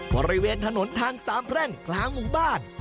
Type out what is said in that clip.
บริเวณถนนทางสามแพร่งกลางหมู่บ้าน